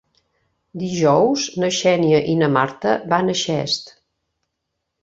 Dijous na Xènia i na Marta van a Xest.